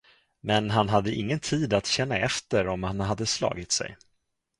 Men han hade ingen tid att känna efter om han hade slagit sig.